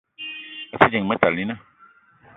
A te ding Metalina